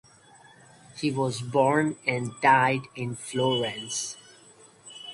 He was born and died in Florence.